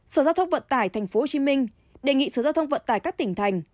sở giao thông vận tải tp hcm đề nghị sở giao thông vận tải các tỉnh thành